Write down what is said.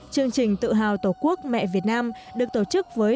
chương trình tự hào tổ quốc mẹ việt nam được tổ chức với